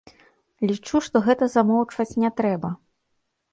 Лічу, што гэта замоўчваць не трэба.